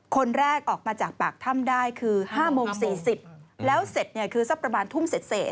คนแรกออกมาจากปากถ้ำได้คือ๕โมง๔๐แล้วเสร็จเนี่ยคือสักประมาณทุ่มเสร็จ